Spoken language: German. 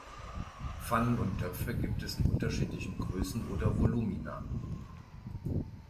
Pfannen und Töpfe gibt es in unterschiedlichen Größen oder Volumina.